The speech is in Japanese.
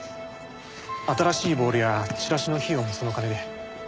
新しいボールやチラシの費用もその金で。